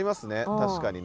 確かにね。